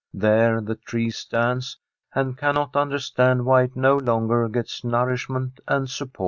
There the tree stands, and cannot understand whv it no longer gets nourishment and support.